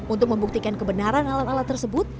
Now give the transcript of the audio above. untuk membuktikan kebenaran alat alat tersebut